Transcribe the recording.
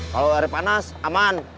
kalau ada panas aman